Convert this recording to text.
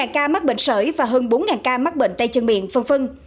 một ca mắc bệnh sởi và hơn bốn ca mắc bệnh tay chân miệng phân phân